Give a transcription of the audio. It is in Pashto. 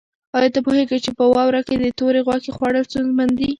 آیا ته پوهېږې چې په واوره کې د تورې غوښې خوړل ستونزمن دي؟